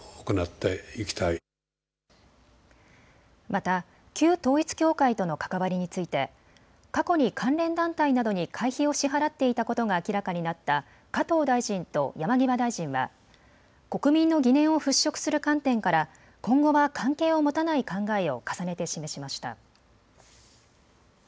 また旧統一教会との関わりについて過去に関連団体などに会費を支払っていたことが明らかになった加藤大臣と山際大臣は国民の疑念を払拭する観点から今後は関係を持たない考えを重ねて示しました。